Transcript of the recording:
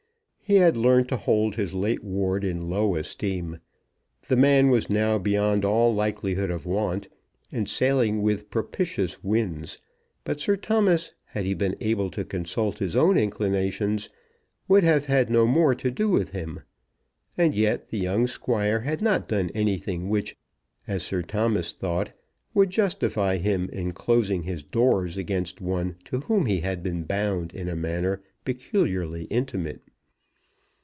He had learned to hold his late ward in low esteem. The man was now beyond all likelihood of want, and sailing with propitious winds; but Sir Thomas, had he been able to consult his own inclinations, would have had no more to do with him. And yet the young Squire had not done anything which, as Sir Thomas thought, would justify him in closing his doors against one to whom he had been bound in a manner peculiarly intimate.